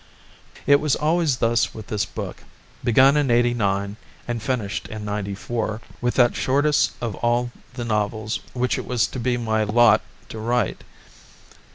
It was always thus with this book, begun in '89 and finished in '94 with that shortest of all the novels which it was to be my lot to write.